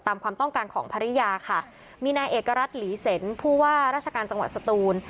ความต้องการของภรรยาค่ะมีนายเอกรัฐหลีเซ็นผู้ว่าราชการจังหวัดสตูน